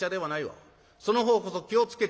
その方こそ気を付けてな」。